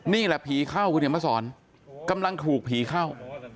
นี่แหละผีเข้าคุณเห็นมาสอนกำลังถูกผีเข้า